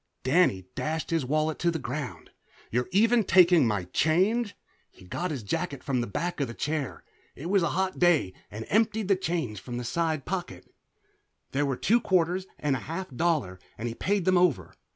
Danny dashed his wallet to the ground. "You're even taking my change!" He got his jacket from the back of a chair it was a hot day and emptied change from the side pocket. There were two quarters and a half dollar, and he paid them over.